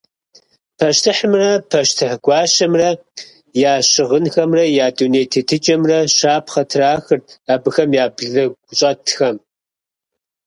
Пащтыхьымрэ пащтыхь гуащэмрэ я щыгъынхэмрэ я дуней тетыкӀэмрэ щапхъэ трахырт абыхэм я блыгущӀэтхэм.